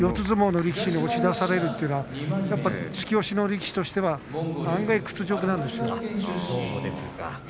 相撲の力士に押し出されるというのは突き押しの力士としては案外、屈辱なんですよ。